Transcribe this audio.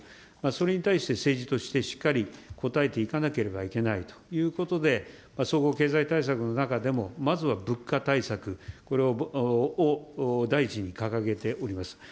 それに対して、政治としてしっかりこたえていかなければいけないということで、総合経済対策の中でも、まずは物価対策、これを第一に掲げております。